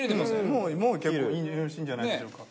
もうもう結構よろしいんじゃないんでしょうか。